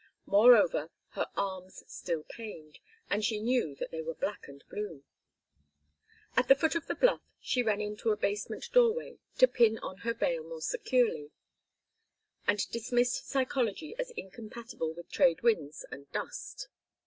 Moreover, her arms still pained, and she knew that they were black and blue. At the foot of the bluff she ran into a basement doorway to pin on her veil more securely, and dismissed psychology as incompatible with trade winds and dust.